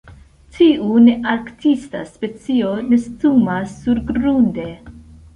Tiu nearktisa specio nestumas surgrunde.